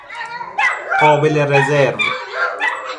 قابل رزرو